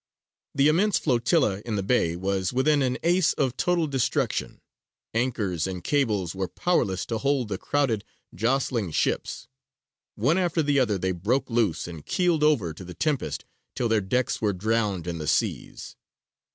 The immense flotilla in the bay was within an ace of total destruction. Anchors and cables were powerless to hold the crowded, jostling ships. One after the other they broke loose, and keeled over to the tempest till their decks were drowned in the seas.